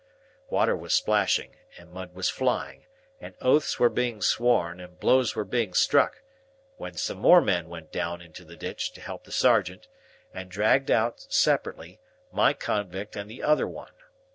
Water was splashing, and mud was flying, and oaths were being sworn, and blows were being struck, when some more men went down into the ditch to help the sergeant, and dragged out, separately, my convict and the other one.